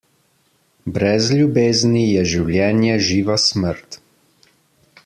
Brez ljubezni je življenje živa smrt.